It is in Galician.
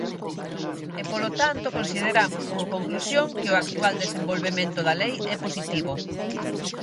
E, polo tanto, consideramos, como conclusión, que o actual desenvolvemento da lei é positivo.